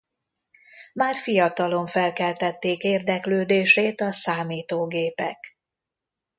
Már fiatalon felkeltették érdeklődését a számítógépek.